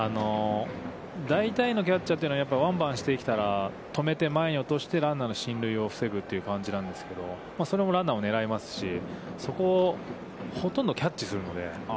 大体のキャッチャーというのはワンバウンドしてきたら止めて、前に落として、ランナーの進塁を防ぐという感じなんですけど、それもランナーを狙いますし、そこをほとんどキャッチするので。